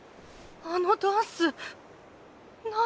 あのダンス何？